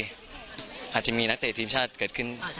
ไม่รู้สิอาจจะมีนักเตะทีมชาติเกิดขึ้น